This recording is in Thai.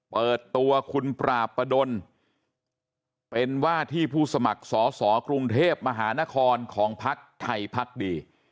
เปิดตัวคุณปราบประดนเป็นว่าที่ผู้สมัครสอสอกรุงเทพมหานครของพักไทยพักดี